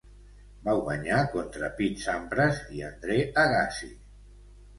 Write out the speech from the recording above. Va guanyar contra Pete Sampras i Andre Agassi.